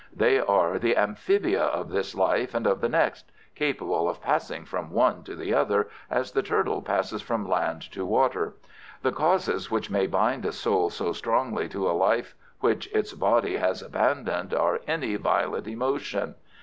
They are the amphibia of this life and of the next, capable of passing from one to the other as the turtle passes from land to water. The causes which may bind a soul so strongly to a life which its body has abandoned are any violent emotion.